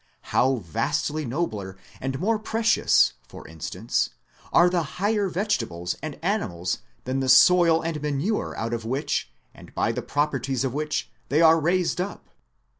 How vastly nobler and more precious, for instance, are the higher vegetables and animals than the soil and manure out of which, and by the properties of which they are raised up